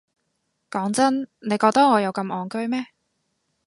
講真，你覺得我有咁戇居咩？